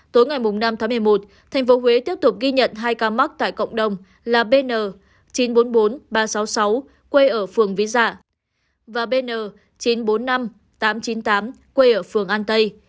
tối ngày năm tháng một mươi một thành phố huế tiếp tục ghi nhận hai ca mắc tại cộng đồng là bn chín trăm bốn mươi bốn ba trăm sáu mươi sáu quê ở phường ví dạ và bn chín trăm bốn mươi năm tám trăm chín mươi tám quê ở phường an tây